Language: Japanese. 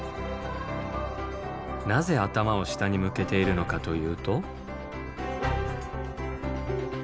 なぜ頭を下に向けているのかというと。